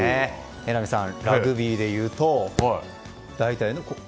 榎並さん、ラグビーでいうと大体こう。